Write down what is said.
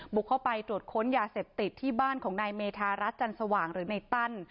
บุกเข้าไปตรวจค้นยาเสพติดที่บ้านของนายเมธารัฐจันสว่างหรือในตั้น